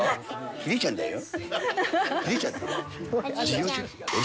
ヒデちゃんだよ。